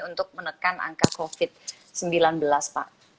untuk menekan angka covid sembilan belas pak